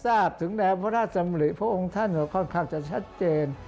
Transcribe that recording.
แต่รับรู้รับทราบถึงแหน่งพระราชดำริพวกองท่านค่อนข้างจะชัดเจน